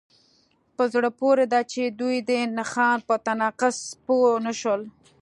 په زړه پورې ده چې دوی د نښان په تناقض پوه نشول